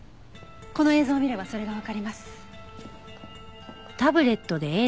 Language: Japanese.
この映像を見ればそれがわかります。